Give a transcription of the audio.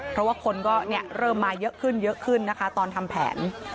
เพราะว่าคนก็เริ่มมาเยอะขึ้นเยอะขึ้นนะคะตอนทำแผน